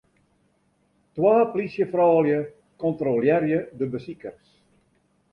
Twa plysjefroulju kontrolearje de besikers.